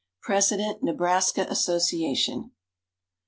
(President, Nebraska Association).